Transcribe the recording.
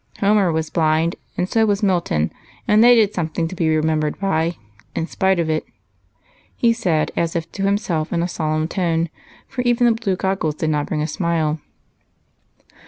" Homer was blind, and so was Milton, and they did something to be remembered by, in spite of it," he said, as if to himself, in a solemn tone, for even the blue goggles did not bring a smile.